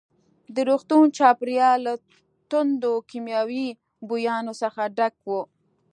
د روغتون چاپېریال له توندو کیمیاوي بویانو څخه ډک وو.